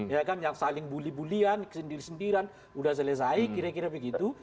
ya kan yang saling bully bully an kesendiri sendiri sudah selesai kira kira begitu